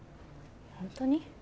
本当に？